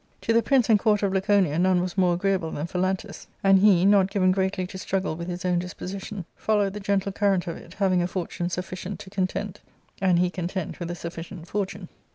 " To the prince and court of Laconia none was more agreeable than Phalantus, and he, not given greatly to struggle with his own disposition, followed the gentle current of it, having a fortune sufficient to content, and he content with a sufficient fortune.